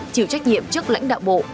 chịu trách nhiệm trước lãnh đạo bộ